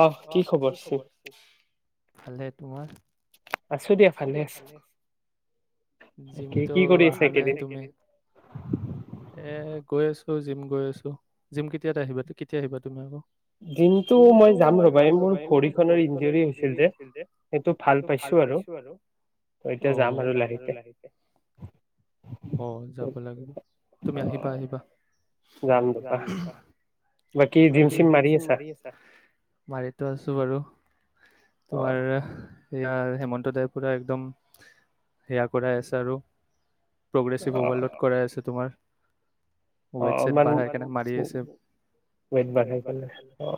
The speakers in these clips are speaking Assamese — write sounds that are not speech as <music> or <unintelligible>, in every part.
আহ কি খবৰ চি ভালনে তোমাৰ আছো দিয়া ভালেছ জিমটো অহা নাই তুমি এ গৈ আছো ত জিম গৈ আছো জিম কেতিয়াাত আহিবা ত কেতিয়া আহিবা তুমি আকৌ দিনতটো মই যাম ৰ'ব যাম ৰবা এই মোৰ ভৰিখনৰ ইজ হৈছিল যে সেইটো ভাল পাইছো আৰু এ যাম আৰু লাহ অ যাব লাগে তুমি আহিবা আহিবা যাম যাম বাকী জিম চিম মাৰি আছা। মাৰটো আছো বাৰু তোমাৰ এইয়াৰ হেমন্ত দাই পুৰা একদম সেয়া কৰাই আছে আৰু প্ৰগ্ৰেছিভ অভাৰলড কৰাই আছে তোমাৰ অ ইমান ৱট বাঢ়াই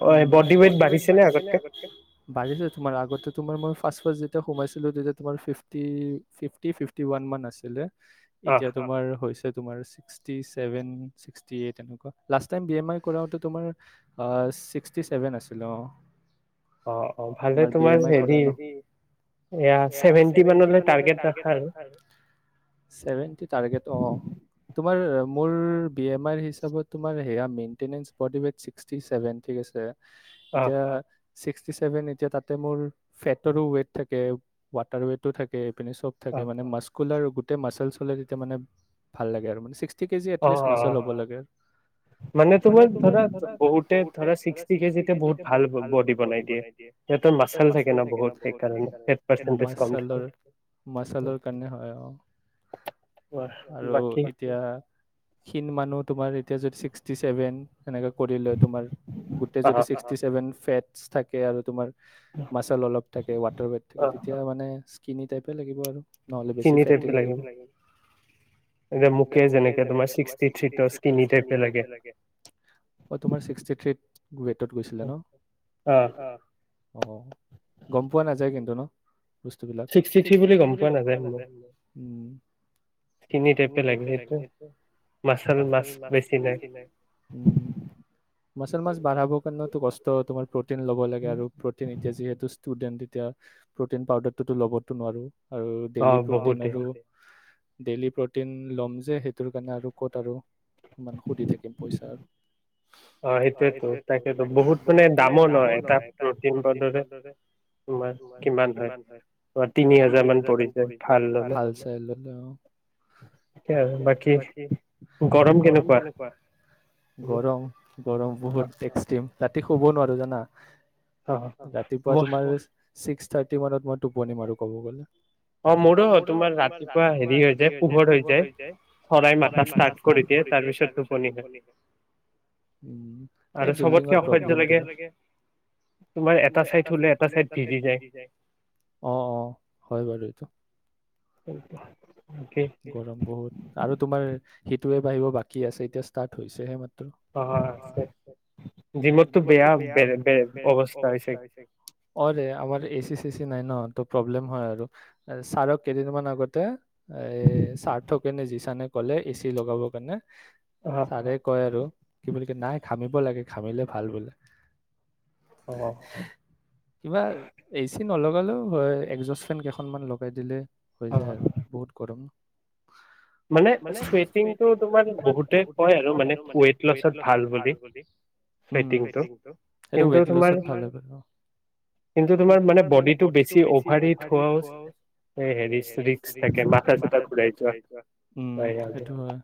অ বডি ৱট। ঢিছিলে আাজিছিলে তোমাৰ আগতে তোমাৰ ম ফাস্ট যেতিয়া সোমাইছিলো তেতিয়া তোমাৰ ফিফটি ফিফটি ফিফটি ওৱান মান আছিলে। এতিয়া তোমাৰ হৈছে। তোমাৰ, চিস্কতি চেভেন চিস্কতি এইট এনে কোৱা, last time E M I কৰাওতে তোমাৰ চিস্কতি চেভেন আছিলে। পিল বাকী ইএমআই চেভেন টি মানতে টাৰগেত চেভেন টি টাৰগেত মই মোৰ ই এম আই হিচাপত তোমাৰ সেয়া মেইনটেন্যান্স কৰাতো চিস্কটি চেভেন টি আছে। এতিয়া ছিক্সটি ছেভেন এতিয়া তাতে মোৰ ফেটৰো ৱেট থাকে ৱাটাৰ ৱটো থাকে। পি চব থে মানে মাৰ্চত ্ গোটেই মাছৰৰ ভাল লাগে আৰু থিক আছে মাছ হব লাগে, মানে তুমি ধৰা বহুতে ধৰা ছিক্স। <unintelligible> বহুত ভাল বডি বনাই দিয়ে সিহতৰ মাছাল থাকে ন বহুত সেইকাৰণে, মাচালৰ-মাচালৰ কাৰণে হয় অ' আৰু এতিয়া খীণ মানুহ তোমাৰ এতিয়া যদি ছিক্সটি ছেভেন এনেকে কৰি লয় তোমাৰ গো তে যদি ছিক্সটি ছেভেন ফেটছ থাকে আৰু তোমাৰ মাচল অলপ থাকে ৱাটাৰ বেড থাকে তেতিয়া মানে কিনি টাইপে লাগিব আৰু। নহলে বেছি ফেট <unintelligible> মোকে যেনেকে তোমাক ছিক্সটি থ্ৰী স্কিনি টাইপ এ অলাগে। অ', তোমাক ছিক্সটি থ্ৰি <unintelligible> তাত গৈছিলা ন? অ', গম পোৱা নাযায়। কিন্তু ন বস্তুবিলাক ছিক্সটি থ্ৰি বুলি গম পোৱা নাযায়, উম, ক্ষীণ এ টাইপে লাগে এইটো মাচাল মাচ বেছি নাই। উম, মাচাল মাচ খ হ <unintelligible> কষ্ট তোমাৰ প্ৰ'টিন ল'ব লাগে আৰু প্ৰ'টিন এতিয়া যিহেতু ষ্টুডেণ্ট এতিয়া প্ৰটিন পাউদাৰটোতো ল'বতো নোৱাৰো। আৰু ডেইলি প্ৰটিন আৰু ডেইলি প্ৰটিন ল'ম যে সেইটোৰ কাৰণে আৰু ক'ত আৰু ইমান সুধি থাকিম পইচা আৰু। অ', সেইতোৱেই তু। তকেটো বহুত মানে দামো নহয়, এটা প্ৰটিন পাউদাৰত কিমান হয়, তিনি হাজাৰ মান পৰি যায়। ভাল চাই ললেও, সেইয়ে আৰু বাকী, গৰম কেনেকুৱা? গৰম গৰম এক্সট্ৰিম ৰাতি শুব নোৱাৰো জানা। ৰাতিপুৱা তোমাৰ ছিক্স থাৰ্টি মানত মই টোপনি মাৰো ক'ব গ'লে। অ', মোৰো তোমাৰ ৰাতিপুৱা হেৰি হৈ যায় পোহৰ হৈ যায় শৰাই মাথা ষ্টাৰ্ট কৰি দিয়ে তাৰপিছত টোপনি হয়। উম ', এই বিল্ডিং প্ৰব্লেমটো তোমাৰ, এটা চাইড হলে ভিজি জাই। অ', অ। <unintelligible> গৰম বহুত আৰু তোমা হি টোৱে বাঢ়িব বাকী আছে, এতিয়া ষ্টাৰ্ট হৈছে হে মা অ', অ ', আছে। দিমততো বেয়া বে- ব অৱস্থা হৈছে অ', ৰে আমাৰ এচি চেচি নাই ন তো প্ৰব্লেম হয় আৰু ছাৰক কেইদিন মান আগতে এ ছাৰ্থকেনে যি চানে ক'লে এ চি লগাবৰ কাৰণে? ছাৰে কয় আৰু কি বুলি কই নাই খামি খাব লাগে খাবলে ভাল বোলে। কিবা এইচিন নলগালেও হয় একজেষ্ট ফেন কেইখনমান লগাই দিলে হৈ যায় আৰু বহুত গৰম। মানে চুৱেটিংটো তোমাৰ বহুতে কৈ আৰু মানে ৱেইট লছত ভাল বুলি। উম ', এইটো ৱেট লচট ভাল হব ন কিন্তূ তোমাৰ মানে বডী তোমাৰ বেছি অভাৰ ৱেট হোৱাও ৰিস্ক -ৰিস্ক থাকে মাথা চাথা ঘুৰাই যোৱা যায় উম ', সেইটো হয়।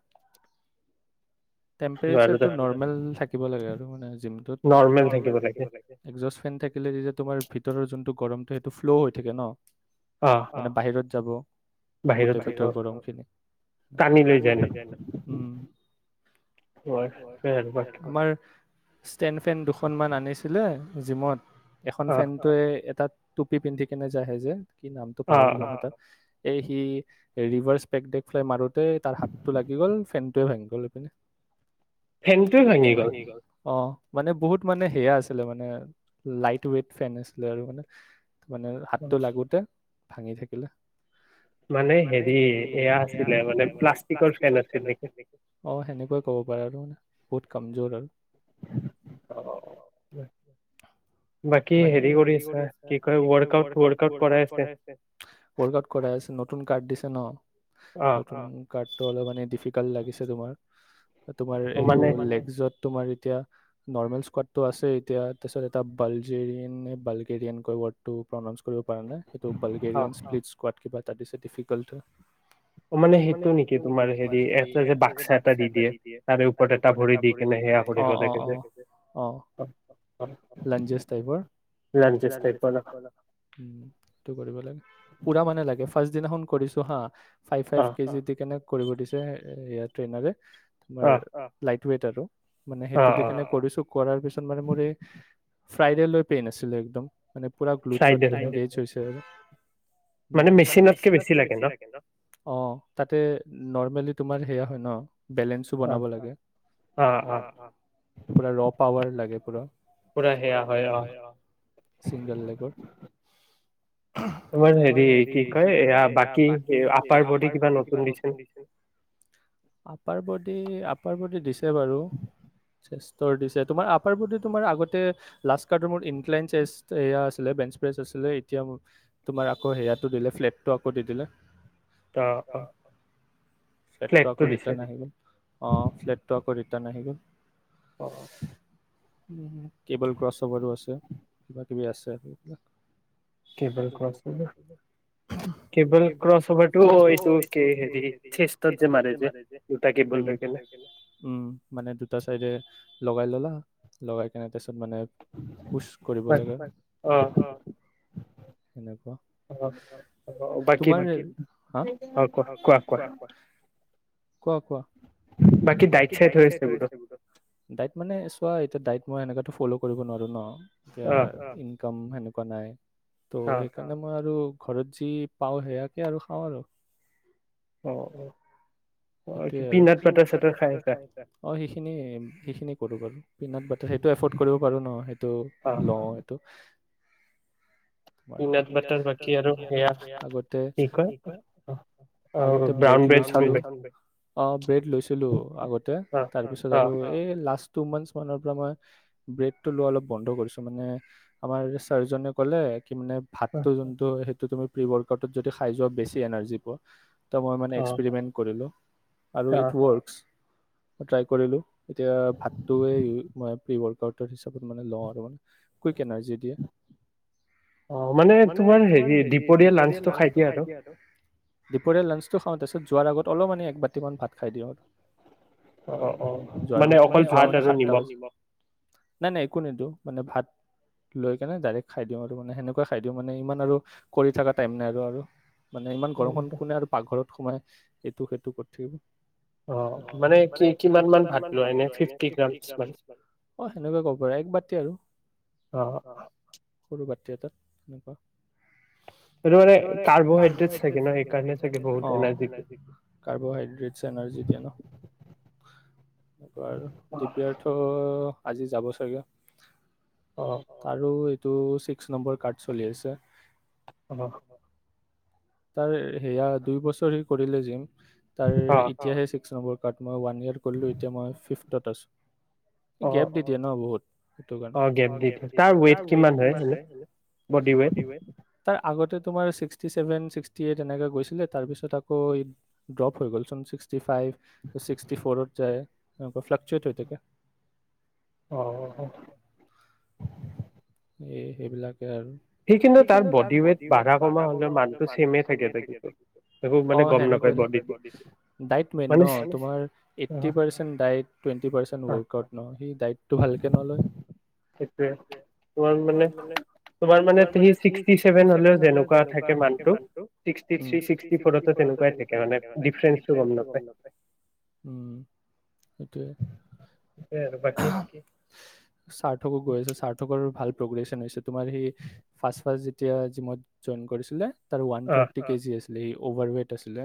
টেম্পচাৰটো নৰ্মেল থাকে লাগে আৰু মানে--যিমান নৰ্মেল থাকিব লাগে একজেষ্টমেন থাকি থাকিলে যে তোমাৰ ভিতৰ যোনটো গৰমটো সেইটো ফ্ল' হৈ থাকে ন। অ ', বাহিৰত। যাব। গোটেই ভিতৰ গৰম খিনি টানি লৈ যায় মানে উম ষ্টেন ফেন দুখন মান আনিছিলে জিমত। এখন ফেনটোৱে এটাত টুপি পিন্ধি কেনে যে আহে যে। কি নামটো পাহৰিলোঁ আমি তাক A C reverse pack Delai Marut তে ', তাৰ হাতটো লাগি গ'ল ফেন ফেনটোহে ভাঙি গ'ল এইপিনে <unintelligible> ফেনটো ভাঙি গ'ল অ', মানে বহুত মানে সেয়া আছিলে মানে লাইট ৱেইট ফেন আছিলে আৰু মানে মানে হাতটো লাগোতে ভাঙি থাকিলে। মানে হেৰি এয়া আছিলে মানে প্লাষ্টিকৰ ফেন আছিল নেকি অ সেনেকুৱা কব পাৰা। আৰু মানে বহুত কমজোৰৰ হ'য়। বাকী হেৰি কৰিছা কি কয় ৱকআউট, ৱকআউট কৰাই আছে ৱকৰ্আউট কৰাই আছে নতুন কাৰ্ড দিছে। তে ন নতুন কাড <unintelligible> টো অলপ মানে ডিফিকাল্ট লাগিছে তোমাৰ। তোমাৰ তো লেগত তোমাৰ এতিয়া নৰ্মেল স্কড টো আছে এতিয়া তাৰপিছত এটা বাল্গেৰিয়ান, বাল্গেৰিয়ানকৈ ৱৰ্ড টো প্ৰনা কৰিব পৰা নাই এইটো বাল্গেৰিয়ানা স্প্লিট স্কুৱাত কিবা তাতিছে ডিফিকাল্ট মানে সেইটো নেকি তোমাৰ হেৰি এটা যে বাক্সা এটা দি দিয়ে তাৰে তাৰে ওপৰত এটা ভৰি দি কেনে অ', অ', অ', লাঞ্জেছ টাইপৰ, লাঞ্জেন টাইপ। পোৰা মানে লাগে ফাৰ্ষ্ট দিনা ফোন কৰিছো হা ফাইভ-ফাইভ কেজি দি কেনেক কৰিব দিছে ইয়া ট্ৰেইনাৰে তোমাত লাইট ৱেইট আৰু। মানে সেইটো দি কাৰণে কৰিছো কৰাৰ পিছত মানে মোৰ এই ফ্ৰাইডে লৈ পেইন আছিলো একদম মানে পুৰা গ্লুচট <unintelligible> হৈছে আৰু। মানে মেচিনতকে বেছি লাগে ন? অ', তাতে নৰ্মেলি তোমাৰ সেয়া হয় ন! বেলেঞ্চো বনাব লাগে। অ', পোৰা ৰৱ পাৱাৰ লাগে পুৰা। পুৰা সেয়া হয় আহ, চিংগল লেগৰ। তোমাৰ হেৰি কি কয় এয়া বাকী আপাৰ বডী কিবা নতুন দিছে? আপাৰ বডী আপাৰ বডি দিছে বাৰু, চে দিছে তোমাৰ আপাৰ বডি তোমাৰ আগতে লাষ্ট কাৰ্ডৰ ম ইনক্লাইন চে স আছিলে বেঞ্চ বেচ আছিলে, এতিয়া তোমাৰ আকৌ সেয়াটো দিলে ফ্লেটটো আকৌ দি দিলে। ত অহ, ফ্লেগটো দিছে। অঁ, ফ্লেটটো আকৌ ৰিটাৰ্ণ আহি গ'ল। হয় <unintelligible> কেবল ক্ৰছ অ'ভাৰো আছে কিব কিবি আছে আৰু এইবিলাক। কেবলভাৰ, কেবল ক্ৰচঅভাৰটো এইটো কি হেৰি চেষ্টত যে মাৰে যে দুটা কেবল লৈ কেনে উম, মানে দুটা চাইডে লগাই ল'লা, লগাই কেনে তে মানে পুচ কৰিব লাগে নেকুৱা তোমাৰ হা কোৱা কোৱা কোৱা কোৱা। বাকী দাইটিচাই থৈ আছে ব দাট মানে চোৱা এতিয়া দাট মই এনেকুৱাওতো ফ'ল' কৰিব নোৱাৰো ন য ইনকাম হেনে বা নাই ত' সেইকাৰণে মই আৰু ঘৰত যি পাওঁ সেয়াকে আৰু খাওঁ আৰু অঁ অ পি নট পিনাট বাটাৰ চাচাৰ খায় আচা?, অ সেইখিনী সেইখিনী কৰো বাৰু পিনাটবাটাৰ সেইতটো এফৰ্ট কৰিব পাৰো ন সেইটো ল সিটো আগতে কি কয়, আগতে ব্ৰেত লৈছিলো ব্ৰেড লৈছিলো আগতে তাৰপিছত আৰু এই লাষ্ট টু মান মানৰ পৰা মই ব্ৰেক টো লোৱা অলপ বন্ধ কৰিছো মানে আমাৰ চাৰ্জনে ক'লে কি মানে ভাতটো যোনটো সেই তুমি প্ৰি বৰ্ত যদি খাই যোৱা বেছি এনাৰ্জি পোৱা ত মই মানে এক্সপেৰিমেন্ট কৰিলো আৰু ইট ৱৰ্কছ। ট্ৰাই কৰিলো, এতিয়া ভাততো মই প্ৰী-ৱৰ্কআউট পিছত সেইটো মানে লওঁ আৰু মই, কুইক এনাৰ্জি দিয়ে। অঁহ মামে, তোমাৰ হেৰী, দুপৰীয়া লাঞ্চ টো খাই দিয়া আৰু? দপৰীয়া লাঞ্চটো খাওঁ, তাৰপিছত যোৱাৰ আগত অলপ মানে একব কটামান ভাত খাই দিওঁ। যোৱাৰ আগত, মানে যোৱা আগত মান সাতটা বা। নাই-নাই একো নিদো মানে ভাত লৈ কেনে ডাইৰেক্ খাই দিওঁ আৰু মানে সেনেকুৱাই খাই দিওঁ মানে, ইমান আৰু কৰি থকা টাইম নাই আৰু মানে ইমান গৰমত কোনে আৰু পাকঘৰত সোমাই। এইটো সেইটো কৰ ঠব <unintelligible> অ মানে, কি-কিমানান ভাত লোৱা এনে, ফিফটি গ্ৰাম মান? অহ' সেনেকুৱে কব পাৰা মানে এক বাতি আৰু অ সৰু বা। তেনেকুৱা। সেইটো মানে কাৰ্বোহাইড্ৰেট থাকে ন? সেইকাৰণে অহ কাৰ্বহাইড ডিট চেনাৰ্জী এতিয়া ন? এনেকুৱা ৰো। দিব্যাৰ্থ আজি যাব চাগৈ। আৰু <unintelligible> অ <unintelligible> তাৰ সেয়া দুই বছৰ সি কৰিলে যিম তাৰ এতিয়াহে ছিক্স নম্বৰ। মই ৱান ইয়েৰ কৰিলোঁ, এতিয়া মই ফিফথত আছোঁ। গেপ দি দিয়ে ন বহুত সেইটো কাৰণে। অ গেপ দিয়ে, তাৰ ৱেইট কিমান হৈ? Body weight? আগতে তোমাৰ sixty seven, six sixty eight এনেকৈ গৈছিলে তাৰপিছত আকৌ এই ড্ৰপ হৈ গ'লচোন, চীষ্টী ফাইভ, চীষ্টী ফ'ৰত যায়, ফ্লাকচুৱেট হৈ থাকে। অ' সঁহ। এই সেইবিলাক হি কিন্তু, তাৰ বডী ৱেইট বঢ়া-কমা হলেও মানুহ টো চেমে এহ থাকে দেখিছোঁ। অঃ যেনেকুৱাই, ডায়েট মে'ন নঃ? তোমাৰ eighty percent diet twenty percent workout নহ? হী ডায়েট টো ভালকে নলয়। সেইটোোৱে মানে, তোমাৰ মানে ত্ৰি চিষস্তি চেভেন হলেও যেনেকুৱা থাকে মানটো ছিক্সটি ত্ৰি ছিক্সটি ফৰ টো তেনেকুৱাই থাকে মানে দিফেৰেন্স টো গম নাপায়। উম সেইটোৱে সাৰ্থকো গৈ আছে সাৰ্থকো ভাল। লগৰি ফাচ ফাচ যেতিয়া যিমত জইন কৰিছিলে তাৰ ৱান থাৰটি কেজি আছে। লে অভাৰ ৱেট আছিলে।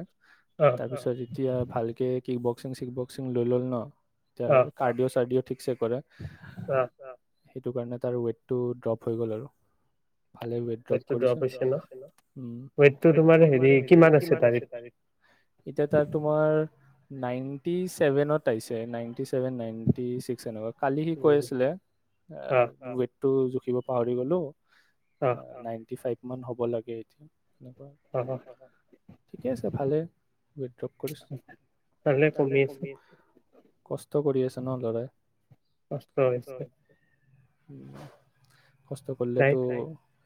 তাৰপিছত এতিয়া ভালকে। কিক বক্সিং চিক বক্সিং লৈ ললে ন তাৰ কাৰ্ডিঅও চাৰ্ডিঅ ঠিকছে কৰা। সেইটো কাৰণে তাৰ ৱেট। টো ড্ৰপ হৈ গ'ল আৰু ভালে ওৱেট দ্ৰপ কৰিছে কৰি হ কি ত এতিয়া তাৰ তোমাৰ হেৰি কিমান আছে? এতিয়া তাৰ তোমাৰ নাইনটি ছেভেনত আহিছে নাইনটি ছেভেন নাইনটি ছিক্স এনকুৱ কালি সি কৈ আছিলে উবেত টো জুখিব পাহৰি গলো। অ নাই। ডিফাইট মান হব লাগে এ। ঠিকে আছে ভালে ওৱেট ড্ৰপ কৰিছ ভালে কবি কষ্ট। কৰি আছে ন লৰাই <unintelligible> কষ্ট কৰিলেটো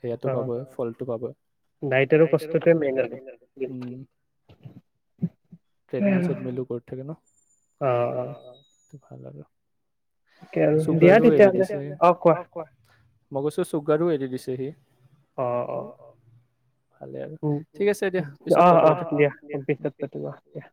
সেয়াটো পাবই ফলটো পাবই দাইত আৰু কষ্ট টোবে মেইন আৰু উম পেডমিল চেডমিল থাকে ন ভাল লাগে। তাকে আৰু দিয়া তেতিয়াহ'লে অ', কোৱা মই কৈছো চুগাৰো এৰি দিছে সি অ', অ', উ'ম অ', অ', দিয়া পিছত পাতিবা দিয়া।